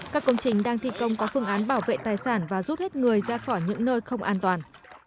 các công trình đang thi công có phương án bảo vệ tài sản và rút hết người ra khỏi những nơi không an toàn